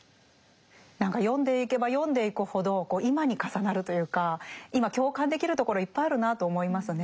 何か読んでいけば読んでいくほど今に重なるというか今共感できるところいっぱいあるなと思いますね。